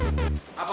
selamat pagi pak